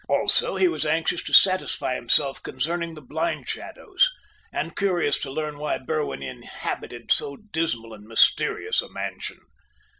Also he was anxious to satisfy himself concerning the blind shadows, and curious to learn why Berwin inhabited so dismal and mysterious a mansion.